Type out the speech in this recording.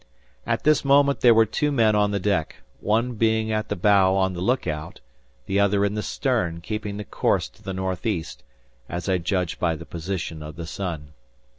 At this moment there were two men on the deck, one being at the bow on the look out, the other in the stern, keeping the course to the northeast, as I judged by the position of the sun.